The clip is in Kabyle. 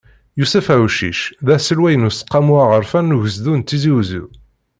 Yusef Awcic, d aselway n useqqamu aɣerfan n ugezdu n Tizi Uzzu.